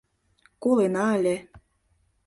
— Колена ыле...